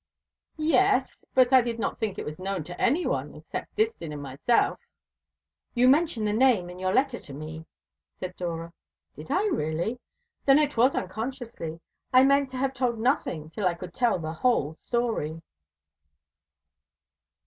"Yes. But I did not think it was known to any one except Distin and myself." "You mentioned the name in your letter to me," said Dora. "Did I really? Then it was unconsciously. I meant to have told nothing till I could tell the whole story."